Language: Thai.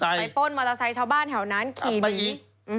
ไปป้นมอเตอร์ไซค์ชาวบ้านแถวนั้นขี่หนี